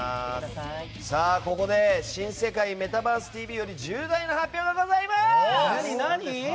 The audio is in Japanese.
ここで「新世界メタバースＴＶ！！」より重大発表がございます！